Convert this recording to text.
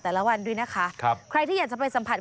แต่ละวันด้วยนะคะใครที่อยากจะไปสัมผัส